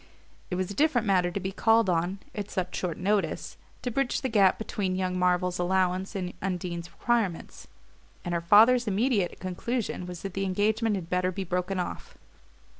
It was a different matter to be called on, at such short notice, to bridge the gap between young Marvell's allowance and Undine's requirements; and her father's immediate conclusion was that the engagement had better be broken off.